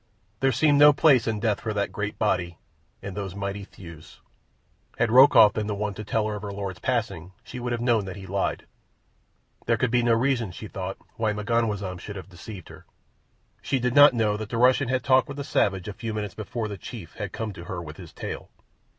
There seemed no place in death for that great body and those mighty thews. Had Rokoff been the one to tell her of her lord's passing she would have known that he lied. There could be no reason, she thought, why M'ganwazam should have deceived her. She did not know that the Russian had talked with the savage a few minutes before the chief had come to her with his tale.